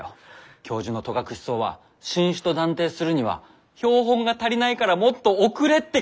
教授の戸隠草は新種と断定するには標本が足りないからもっと送れって書かれてた。